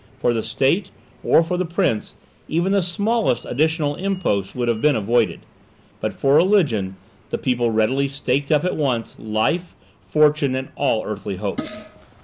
For the state, or for the prince, even the smallest additional impost would have been avoided; but for religion the people readily staked at once life, fortune, and all earthly hopes.